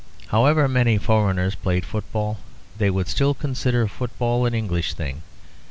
However many foreigners played football, they would still consider football an English thing.